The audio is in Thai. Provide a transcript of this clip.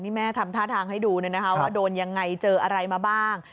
นี่แม่ทำท่าทางให้ดูเลยนะคะว่าโดนยังไงเจออะไรมาบ้าง